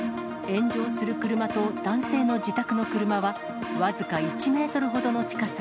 炎上する車と男性の自宅の車は、僅か１メートルほどの近さ。